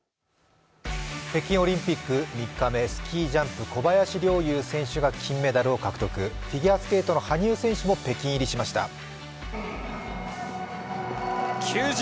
北京オリンピック３日目、スキージャンプ、小林陵侑選手が金メダルを獲得、フィギュアスケートの羽生選手も北京入りしました。